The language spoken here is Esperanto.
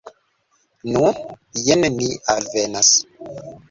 Nu, jen ni alvenas.